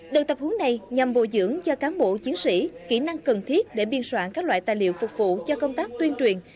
đợt tập huấn này nhằm bồi dưỡng cho cán bộ chiến sĩ kỹ năng cần thiết để biên soạn các loại tài liệu phục vụ cho công tác tuyên truyền